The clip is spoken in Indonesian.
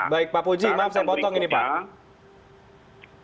baik pak puji maaf saya potong ini pak